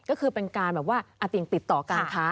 ก็คือเป็นการมาแบบว่าติดต่อการค้า